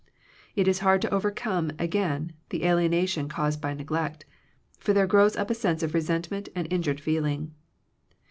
It is hard to overcome again the alienation caused by neglect; for there grows up a sense of resentment and in jured feeling.